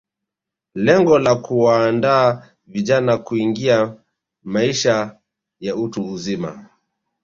Lengo la kuwaandaa vijana kuingia maisha ya utu uzima